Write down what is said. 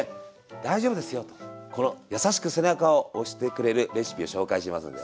大丈夫ですよとこのやさしく背中を押してくれるレシピを紹介しますんで。